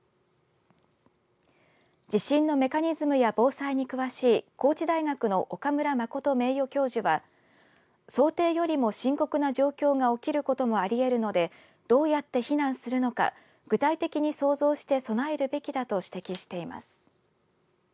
地震のメカニズムや防災に詳しい高知大学の岡村眞名誉教授は想定よりも深刻な状況が起きることもありえるのでどうやって避難するのか具体的に想像して備えるべきだと指摘しています。